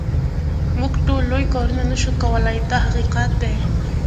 موږ ټول لوی کارونه نه شو کولای دا حقیقت دی.